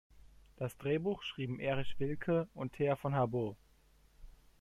Das Drehbuch schrieben Erich Willke und Thea von Harbou.